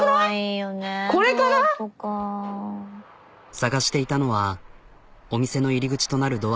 探していたのはお店の入り口となるドア。